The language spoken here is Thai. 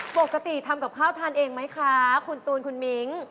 ปกติทำกับข้าวทานเองไหมคะคุณตูนคุณมิ้ง